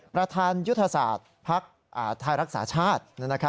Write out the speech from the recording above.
ประธานยุทธศาสตร์ภักดิ์ไทยรักษาชาติ